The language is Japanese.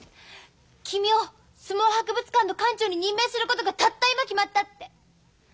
「君を相撲博物館の館長に任命することがたった今決まった」って。